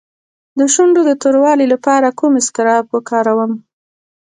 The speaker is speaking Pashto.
د شونډو د توروالي لپاره کوم اسکراب وکاروم؟